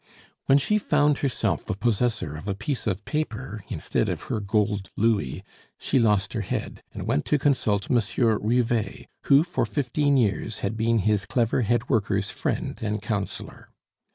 When she found herself the possessor of a piece of paper instead of her gold louis, she lost her head, and went to consult Monsieur Rivet, who for fifteen years had been his clever head worker's friend and counselor.